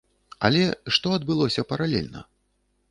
Але што адбылося паралельна?